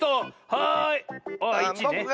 はい！